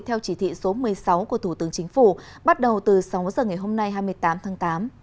theo chỉ thị số một mươi sáu của thủ tướng chính phủ bắt đầu từ sáu giờ ngày hôm nay hai mươi tám tháng tám